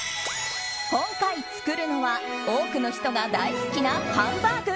今回作るのは多くの人が大好きなハンバーグ。